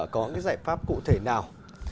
có cái giải pháp cụ thể nào